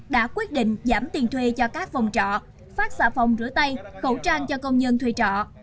đã quyết định giảm tiền thuê cho các phòng trọ phát xạ phòng rửa tay khẩu trang cho công nhân thuê trọ